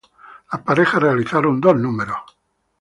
Las parejas realizaron dos números.